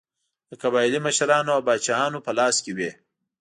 د قبایلي مشرانو او پاچاهانو په لاس کې وې.